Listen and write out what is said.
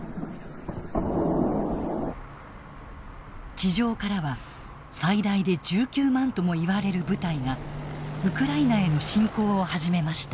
地上からは最大で１９万ともいわれる部隊がウクライナへの侵攻を始めました。